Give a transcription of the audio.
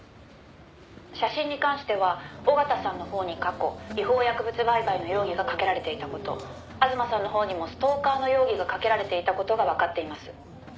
「写真に関しては緒方さんのほうに過去違法薬物売買の容疑がかけられていた事吾妻さんのほうにもストーカーの容疑がかけられていた事がわかっています」